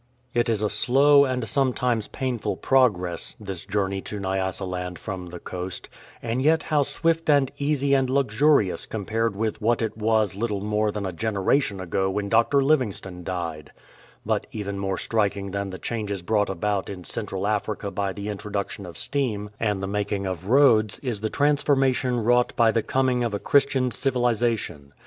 It is a slow and sometimes painful progress, this journey to Nyasaland from the coast ; and yet how swift and easy and luxurious compared with what it was little more than a generation ago when Dr. Livingstone died ! But even more striking than the changes brought about in Central Africa by the introduction of steam and the making of 134 DR. LIVINGSTONE roads is the transformation wrought by the coming of a Christian civilization.